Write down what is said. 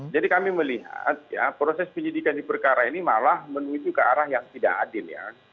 jadi kami melihat ya proses penyidikan di perkara ini malah menuju ke arah yang tidak adil ya